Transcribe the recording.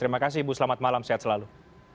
terima kasih ibu selamat malam sehat selalu